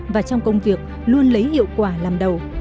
và trong công việc luôn lấy hiệu quả làm đầu